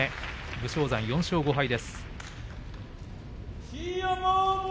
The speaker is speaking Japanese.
武将山、４勝５敗です。